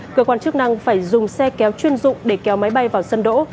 cơ quan chức năng phải dùng xe kéo chuyên dụng để kéo máy bay vào sân đỗ